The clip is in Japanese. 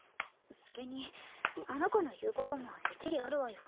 それにあの子の言うことも一理あるわよ。